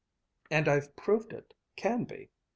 And I've proved it can be.